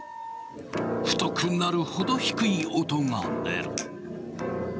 太くなるほど低い音が出る。